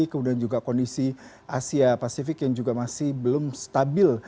kemudian juga kondisi asia pasifik yang juga masih belum stabil